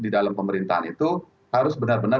di dalam pemerintahan itu harus benar benar